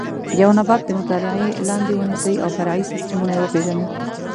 یو نبات د مطالعې لاندې ونیسئ او فرعي سیسټمونه یې وپېژنئ.